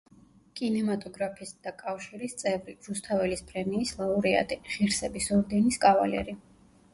კინემატოგრაფისტთა კავშირის წევრი, რუსთაველის პრემიის ლაურეატი, ღირსების ორდენის კავალერი.